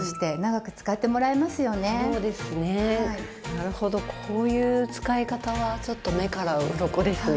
なるほどこういう使い方はちょっと目からうろこですね。